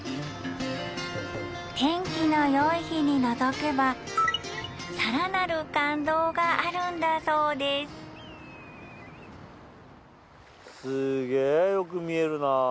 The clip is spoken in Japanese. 天気のよい日にのぞけばらなる感動があるんだそうですーげえよく見えるなあ。